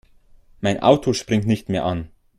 Mein Auto springt nicht mehr an.